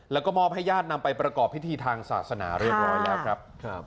แล้วก็มอบให้ญาตินำไปประกอบพิธีทางศาสนาเรียบร้อยแล้วครับ